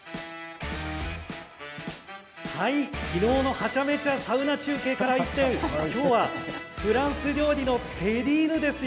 昨日のはちゃめちゃサウナ中継から一転今日はフランス料理のテリーヌですよ。